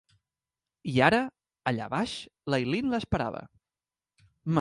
I ara, allà baix, l'Eileen l'esperava.